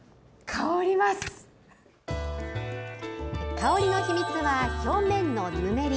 香りの秘密は表面のぬめり。